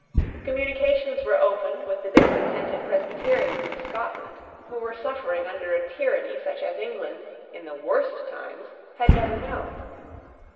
Communications were opened with the discontented Presbyterians of Scotland, who were suffering under a tyranny such as England, in the worst times, had never known.